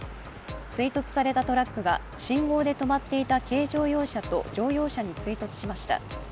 追突されたトラックが信号で止まっていた軽乗用車と乗用車に追突しました。